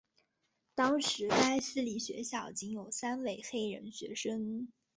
当时该私立学校仅有三位黑人学生。